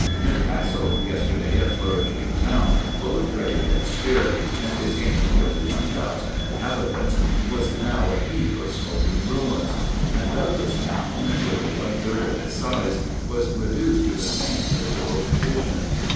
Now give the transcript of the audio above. New Castle, yesterday a flourishing town, full of trade and spirit, and containing nearly one thousand inhabitants, was now a heap of smoking ruins; and Douglasstown, nearly one third of its size, was reduced to the same miserable condition.